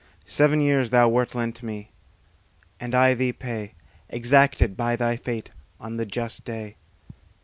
Seven years thou wert lent to me, and I thee pay, Exacted by thy fate, on the just day.